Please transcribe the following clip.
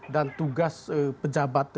dan tugas pejabat